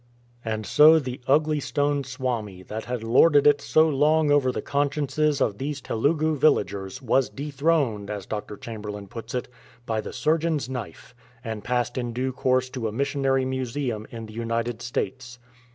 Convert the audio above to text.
And so the ugly stone Swami that had lorded it so long over the consciences of these Telugu villagers was "de tlironed,"" as Dr. Chamberlain puts it, "by the surgeon's knife," and passed in due course to a missionary museum in the United States.